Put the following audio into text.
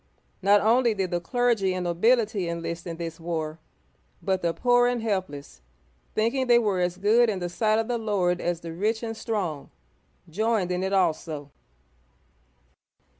Not only did the clergy and nobility enlist in this war, but the poor and helpless, think ing they were as good in the sight of the Lord as the rich and strong, joined in it also.